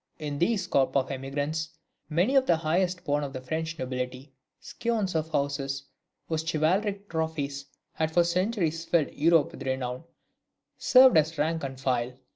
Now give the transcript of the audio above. In these corps of emigrants, many of the highest born of the French nobility, scions of houses whose chivalric trophies had for centuries filled Europe with renown, served as rank and file.